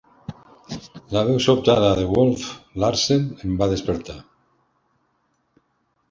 La veu sobtada de Wolf Larsen em va despertar.